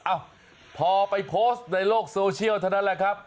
เอ้าพอไปโพสต์ในโลกโซเชียลเท่านั้นแหละครับ